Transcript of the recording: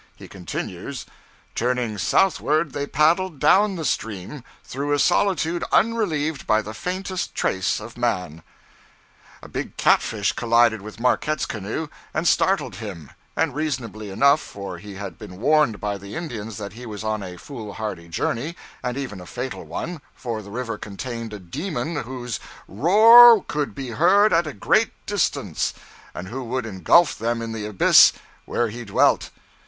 He continues: 'Turning southward, they paddled down the stream, through a solitude unrelieved by the faintest trace of man.' A big cat fish collided with Marquette's canoe, and startled him; and reasonably enough, for he had been warned by the Indians that he was on a foolhardy journey, and even a fatal one, for the river contained a demon 'whose roar could be heard at a great distance, and who would engulf them in the abyss where he dwelt.'